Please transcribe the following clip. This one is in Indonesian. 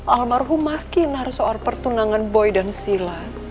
almarhumah kinar soal pertunangan boy dan sila